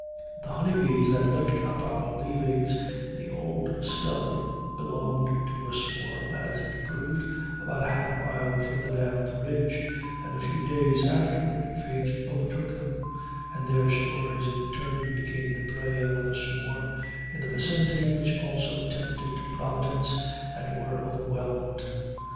The honey bees that licked up our leavings on the old stub belonged to a swarm, as it proved, about half a mile farther down the ridge, and a few days afterward fate overtook them, and their stores in turn became the prey of another swarm in the vicinity, which also tempted Providence and were overwhelmed.